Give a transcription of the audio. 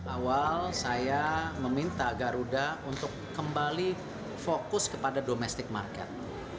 awal saya meminta garuda untuk kembali fokus kepada domestic market